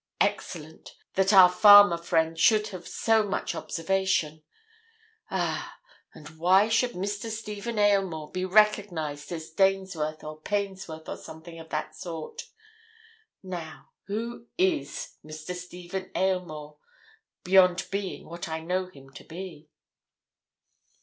Excellent—that our farmer friend should have so much observation. Ah!—and why should Mr. Stephen Aylmore be recognized as Dainsworth or Painsworth or something of that sort. Now, who is Mr. Stephen Aylmore—beyond being what I know him to be?"